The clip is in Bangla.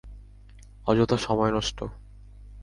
অযথা সময় নষ্ট!